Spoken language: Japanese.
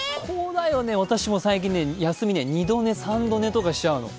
私も最近、休みの日には二度寝、三度寝とかしちゃうの。